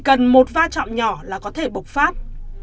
cần một va chạm nhỏ là có thể bộc phát